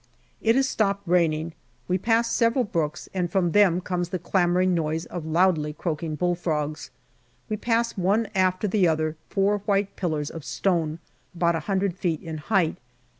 It has stopped raining ; we pass several brooks, and from them comes the clamouring noise of loudly croaking bull frogs. We pass one after the other four white pillars of stone, about a hundred feet in height.